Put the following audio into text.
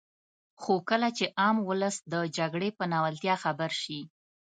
خو کله چې عام ولس د جګړې په ناولتیا خبر شي.